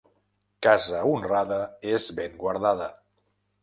Casa honrada és ben guardada.